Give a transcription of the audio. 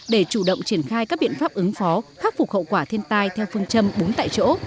để chủ động triển khai các biện pháp ứng phó khắc phục hậu quả thiên tai theo phương châm bốn tại chỗ